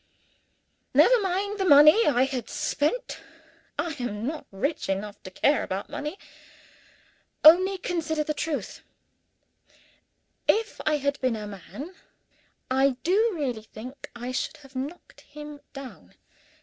Never mind the money I had spent I am not rich enough to care about money only consider the trouble. If I had been a man, I do really think I should have knocked him down.